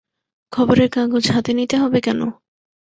খবরের কাগজ হাতে নিতে হবে কেন?